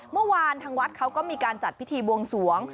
เมื่อวานทางวัดเขาก็มีการจัดพิธีบวงสวง